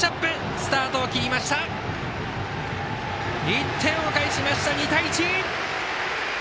１点を返しました、２対１。